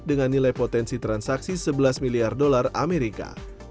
dengan nilai potensi transaksi sebelas miliar dolar amerika